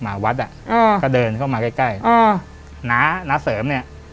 หมาวัดก็เดินเข้ามาใกล้นาเสริมเนี่ย